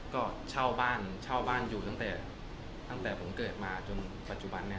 ก็เช่าบ้านอยู่ตั้งแต่ผมเกิดมาจนปัจจุบัน